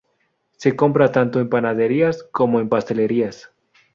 Se compra tanto en panaderías como en pastelerías.